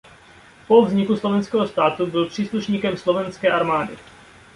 Po vzniku Slovenského státu byl příslušníkem Slovenské armády.